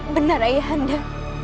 benar ayah anda